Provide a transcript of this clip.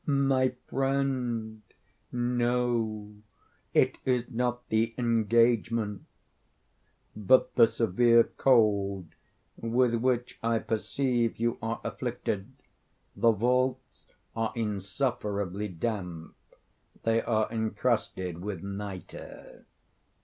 "My friend, no. It is not the engagement, but the severe cold with which I perceive you are afflicted. The vaults are insufferably damp. They are encrusted with nitre."